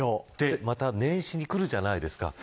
また年始にくるじゃないですか。